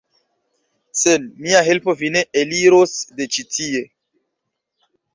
sen mia helpo vi ne eliros de ĉi tie!